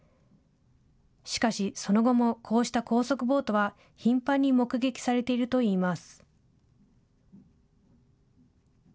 しかし、その後もこうした高速ボートは頻繁に目撃されているといいます。